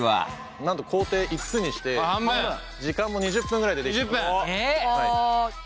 なんと工程５つにして時間も２０分ぐらいで出来ちゃいます。